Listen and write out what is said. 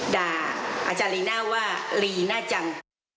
อาจารย์ลีน่าว่าลีน่าจัง